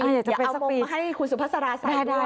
อยากเอามงให้คุณสุพษราใส่ด้วย